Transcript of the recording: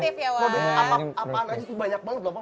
apaan aja tuh banyak banget loh